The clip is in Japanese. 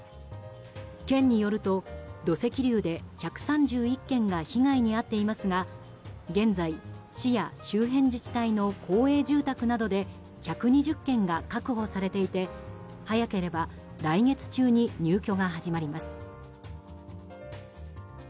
県によると土石流で１３１軒が被害に遭っていますが現在、市や周辺自治体の公営住宅などで１２０軒が確保されていて早ければ来月中に入居が始まります。